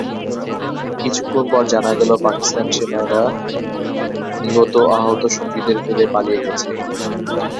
কিছুক্ষণ পর জানা গেল, পাকিস্তানি সেনারা নিহত ও আহত সঙ্গীদের ফেলে পালিয়ে গেছে।